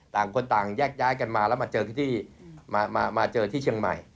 ต่างคนต่างแยกกันมาแล้วมาเจอที่ที่เชียงใหม่